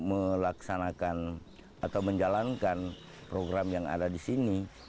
melaksanakan atau menjalankan program yang ada di sini